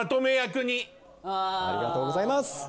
ありがとうございます！